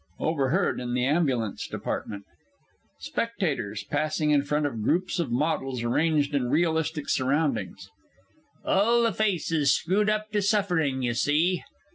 OVERHEARD IN THE AMBULANCE DEPARTMENT. SPECTATORS (passing in front of groups of models arranged in realistic surroundings). All the faces screwed up to suffering, you see!...